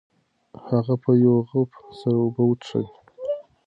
هغه په یو غوپ سره اوبه وڅښلې.